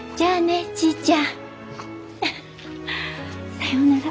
さようなら。